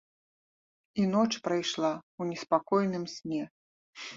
І ноч прайшла ў неспакойным сне.